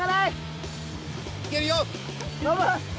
いけるよ！